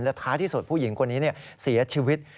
ท้ายที่สุดผู้หญิงคนนี้เสียชีวิต